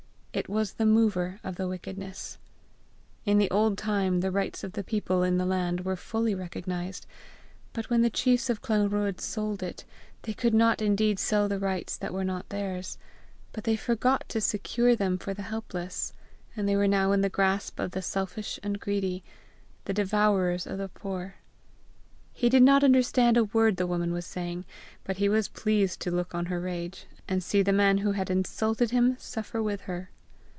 It was the mover of the wickedness. In the old time the rights of the people in the land were fully recognized; but when the chiefs of Clanruadh sold it, they could not indeed sell the rights that were not theirs, but they forgot to secure them for the helpless, and they were now in the grasp of the selfish and greedy, the devourers of the poor. He did not understand a word the woman was saying, but he was pleased to look on her rage, and see the man who had insulted him suffer with her.